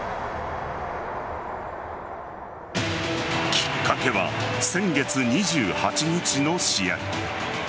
きっかけは先月２８日の試合。